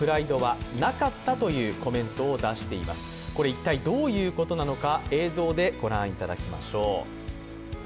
一体どういうことなのか映像でご覧いただきましょう。